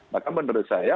maka menurut saya